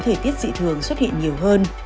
thời tiết dị thường xuất hiện nhiều hơn